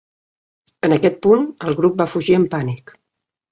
En aquest punt, el grup va fugir amb pànic.